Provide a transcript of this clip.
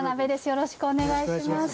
よろしくお願いします。